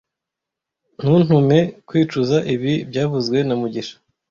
Ntuntume kwicuza ibi byavuzwe na mugisha